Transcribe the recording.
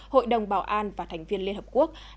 hội đồng bảo an và thành viên liên hợp quốc